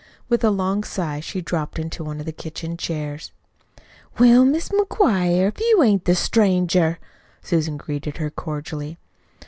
With a long sigh she dropped into one of the kitchen chairs. "Well, Mis' McGuire, if you ain't the stranger!" Susan greeted her cordially.